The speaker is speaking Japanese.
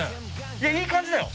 いやいい感じだよ。